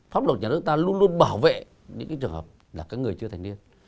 pháp luật nhà nước ta luôn luôn bảo vệ những trường hợp là người chưa thành niên